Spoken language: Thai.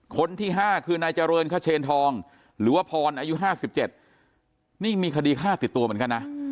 คนที่๕คือนายเจริญขเชนทองหรือว่าพรอายุ๕๗นี่มีคดีฆ่าติดตัวเหมือนกันนะ